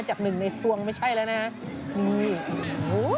จากหนึ่งในสวงไม่ใช่แล้วนะฮะ